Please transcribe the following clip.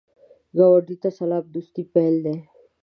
ګاونډي ته سلام، د دوستۍ پیل دی